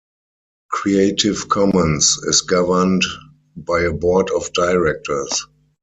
Creative Commons is governed by a board of directors.